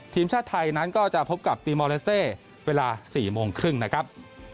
ทีมชาติไทยนั้นก็จะพบกับตีมอลเลสเต้เวลา๔โมงครึ่งนะครับ